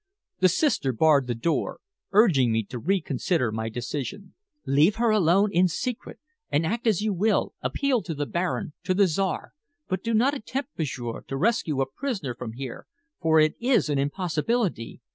The sister barred the door, urging me to reconsider my decision. "Leave her alone in secret, and act as you will, appeal to the Baron, to the Czar, but do not attempt, m'sieur, to rescue a prisoner from here, for it is an impossibility.